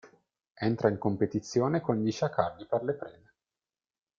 Entra in competizione con gli sciacalli per le prede.